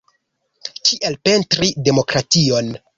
Kiel pentri demokration?